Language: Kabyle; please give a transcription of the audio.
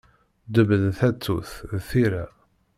Ddeb n tatut d tira.